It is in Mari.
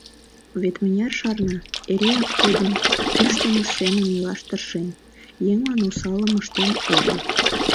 Вет мыняр шарна, эреак Тудын кӱштымыж семын илаш тыршен: еҥлан осалым ыштен огыл.